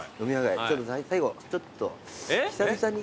最後ちょっと久々に。